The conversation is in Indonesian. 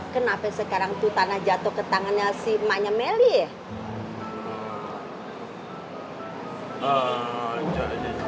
kenapa sekarang itu tanah jatuh ke tangannya si manya meli ya